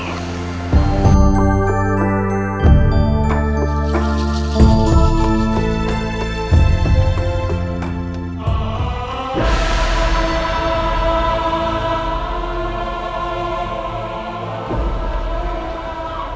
sampai jumpa lagi